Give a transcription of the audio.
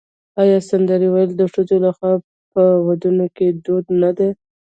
آیا سندرې ویل د ښځو لخوا په ودونو کې دود نه دی؟